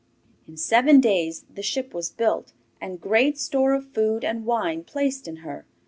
In seven days the ship was built, and great store of food and wine placed in her.